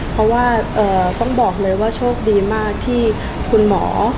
เพราะว่าต้องบอกเลยว่าโชคดีมากที่คุณหมอ